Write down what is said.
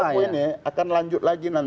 tolak revisi ini akan lanjut lagi